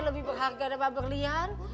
lebih berharga daripada berlian